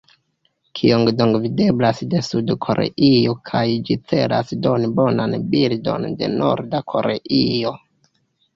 Kijong-dong videblas de Sud-Koreio kaj ĝi celas doni bonan bildon de Norda Koreio.